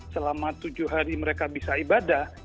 selama tujuh hari mereka bisa ibadah